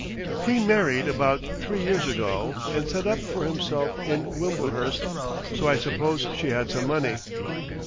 "He married about three years ago, and set up for himself in Wimblehurst.... So I suppose she had some money."